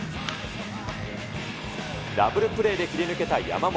ダブルプレーで切り抜けた山本。